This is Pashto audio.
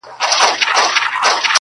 د ښایست یې پر ملکونو چوک چوکه سوه،